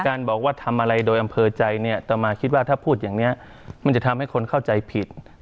บอกว่าทำอะไรโดยอำเภอใจเนี่ยต่อมาคิดว่าถ้าพูดอย่างนี้มันจะทำให้คนเข้าใจผิด